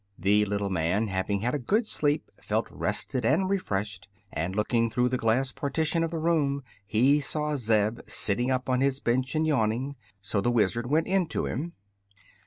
The little man, having had a good sleep, felt rested and refreshed, and looking through the glass partition of the room he saw Zeb sitting up on his bench and yawning. So the Wizard went in to him.